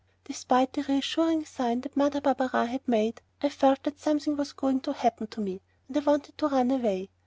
Despite the reassuring sign that Mother Barberin had made, I felt that something was going to happen to me and I wanted to run away.